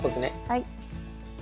はい。